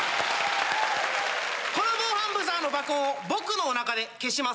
この防犯ブザーの爆音を僕のお腹で消します。